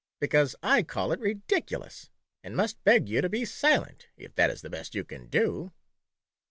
Because / call it ridiculous, and must beg you to be silent, if that is the best you can do."